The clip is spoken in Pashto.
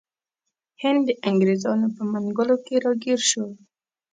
هند د انګریزانو په منګولو کې راګیر شو.